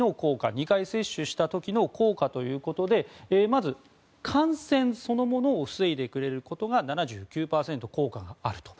２回接種した時の効果ということでまず感染そのものを防いでくれることが７９％効果があると。